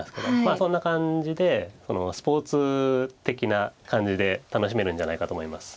そんな感じでスポーツ的な感じで楽しめるんじゃないかと思います。